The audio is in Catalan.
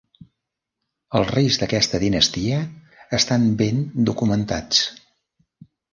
Els reis d'aquesta dinastia estan ben documentats.